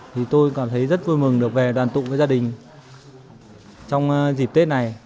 thì tôi cảm thấy rất vui mừng được về đoàn tụ với gia đình trong dịp tết này